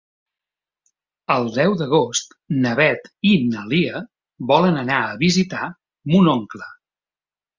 El deu d'agost na Beth i na Lia volen anar a visitar mon oncle.